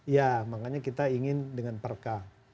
ya makanya kita ingin dengan perka